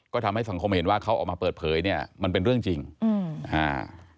ก็ทำให้สังคมเห็นว่าเขาออกมาเปิดเผยเนี้ยมันเป็นเรื่องจริงอืมอ่า